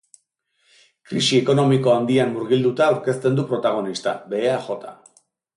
Krisi ekonomiko handian murgilduta aurkezten du protagonista, behea jota.